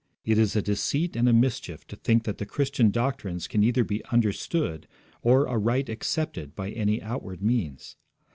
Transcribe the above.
It is a deceit and a mischief to think that the Christian doctrines can either be understood or aright accepted by any outward means.